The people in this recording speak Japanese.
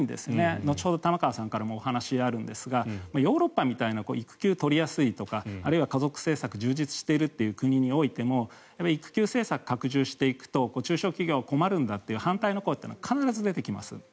後ほど玉川さんからもお話があるんですがヨーロッパみたいな育休が取りやすいとかあるいは家族政策が充実しているという国においても育休政策を拡充していくと中小企業は困るんだという反対の声というのは必ず出てきます。